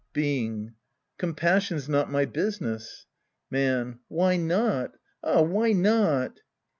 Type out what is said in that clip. Being. Compassion's not my business. Man. Why not .? Ah, why not